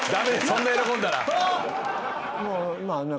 そんな喜んだら。